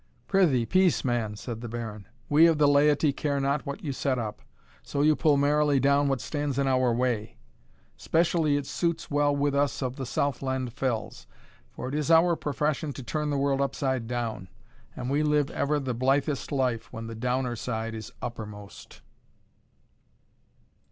"Prithee, peace, man," said the Baron; "we of the laity care not what you set up, so you pull merrily down what stands in our way. Specially it suits well with us of the Southland fells; for it is our profession to turn the world upside down, and we live ever the blithest life when the downer side is uppermost."